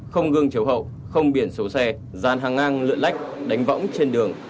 không gương chiếu hậu không biển số xe dàn hàng ngang lựa lách đánh võng trên đường